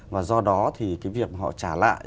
và do đó thì việc họ trả lại